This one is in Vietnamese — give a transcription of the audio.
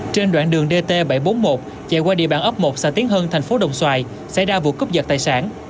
trên đoạn đường dt bảy trăm bốn mươi một chạy qua địa bàn ấp một xa tiếng hơn thành phố đồng xoài xảy ra vụ cướp giật tài sản